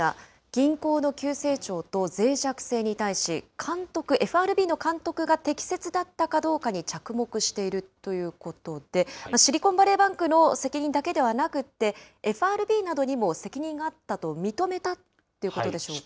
銀行の急成長と、ぜい弱性に対し、監督、ＦＲＢの監督が適切だったかどうかに着目しているということで、シリコンバレーバンクの責任だけではなくって、ＦＲＢなどにも責任があったと認めたってことでしょうか。